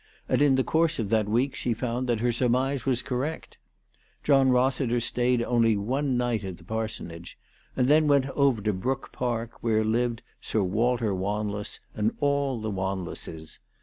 And in the course of that week she found that her surmise was correct. John Eossiter stayed only one night at the parsonage, and then went over to Brook Park where lived Sir Walter "Wanless and all the Wanlesses.